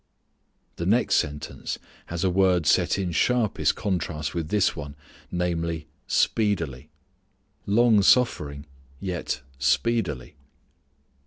The next sentence has a word set in sharpest contrast with this one, namely "speedily." "Long suffering" yet "speedily."